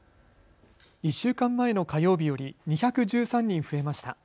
１週間前の火曜日より２１３人増えました。